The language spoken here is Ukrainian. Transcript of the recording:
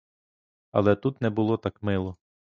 Але тут не було так мило.